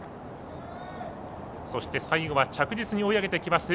そして最後は着実に追い上げてきます。